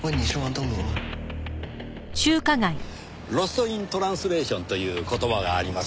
「ロスト・イン・トランスレーション」という言葉があります。